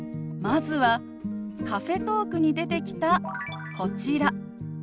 まずはカフェトークに出てきたこちら。